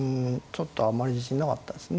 ちょっとあんまり自信なかったですね。